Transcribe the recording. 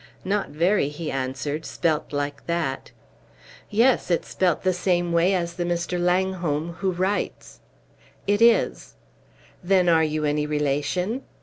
"Not very," he answered, "spelt like that." "Yes it's spelt the same way as the Mr. Langholm who writes." "It is." "Then are you any relation?"